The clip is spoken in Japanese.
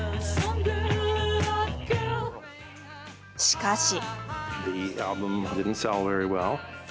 しかし。